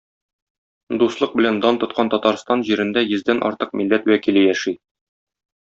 Дуслык белән дан тоткан Татарстан җирендә йөздән артык милләт вәкиле яши.